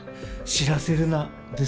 「知らせるな」ですね。